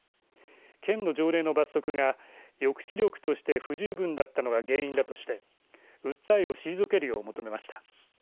県の条例の罰則が抑止力として不十分だったのが原因だとして訴えを退けるよう求めました。